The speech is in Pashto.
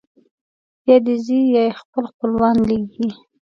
یا دی ځي یا یې خپل خپلوان لېږي.